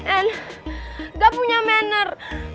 and gak punya manner